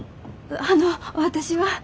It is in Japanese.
あの私は。